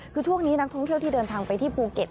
คือช่วงนี้นักท่องเที่ยวที่เดินทางไปที่ภูเก็ต